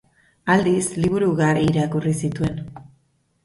Aldiz, liburu ugari irakurri zituen.